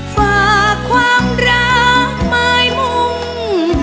ฝากความรักไม้มุ่ง